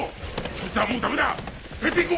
そいつはもうダメだ捨てていこう！